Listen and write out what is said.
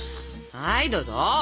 はいどうぞ。